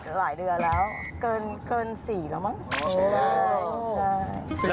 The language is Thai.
หลายเดือนแล้วเกิน๔แล้วมั้ง